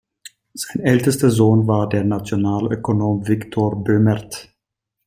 Sein ältester Sohn war der Nationalökonom Viktor Böhmert.